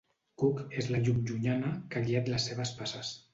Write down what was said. Cook és la llum llunyana que ha guiat les seves passes.